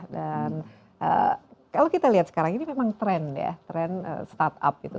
dan kalau kita lihat sekarang ini memang trend ya trend startup gitu